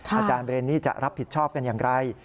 อาจารย์เรนนี่จะรับผิดชอบกันอย่างไร